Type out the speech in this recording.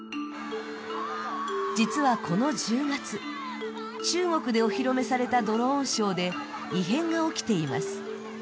実はこの１０月、中国でお披露目されたドローンショーで異変が起きています。